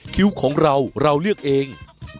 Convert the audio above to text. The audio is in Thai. คิ้วของเราเราเลือกเอง